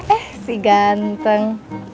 eh si ganteng